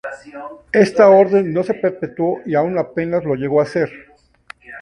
Esta Orden no se perpetuó y aun apenas lo llegó a ser.